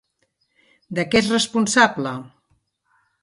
De què és responsable?